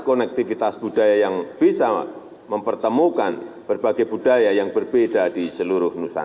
konektivitas budaya yang bisa mempertemukan berbagai budaya yang berbeda